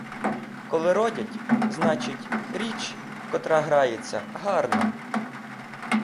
Коли родять, значить, річ, котра грається, гарна.